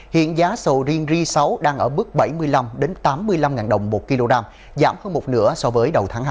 hiện giá sầu riêng ri sáu đang ở mức bảy mươi năm tám mươi năm đồng một kg giảm hơn một nửa so với đầu tháng hai